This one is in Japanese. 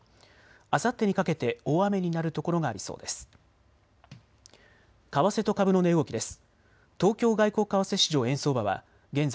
あさってにかけて大雨になる所がありそうです。